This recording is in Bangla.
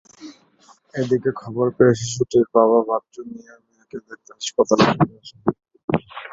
এদিকে খবর পেয়ে শিশুটির বাবা বাচ্চু মিয়া মেয়েকে দেখতে হাসপাতালে ছুটে আসেন।